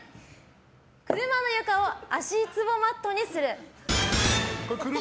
車の床を足ツボマットにする。